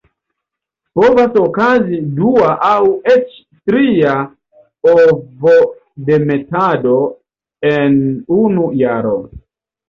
Povas okazi dua aŭ eĉ tria ovodemetado en unu jaro.